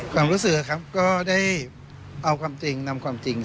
ความรู้สึกครับก็ได้เอาความจริงนำความจริง